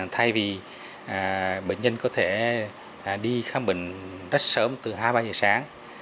thay vì bệnh nhân có thể đi khám bệnh rất sớm từ hai ba giờ sáng